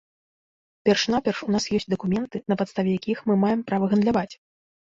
Перш-наперш у нас ёсць дакументы, на падставе якіх мы маем права гандляваць!